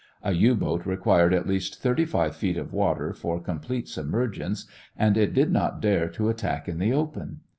A U boat required at least thirty five feet of water for complete submergence and it did not dare to attack in the open.